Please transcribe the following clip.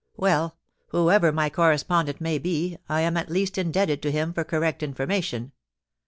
Well, whoever my correspondent may be, I am at least indebted to him for correct information.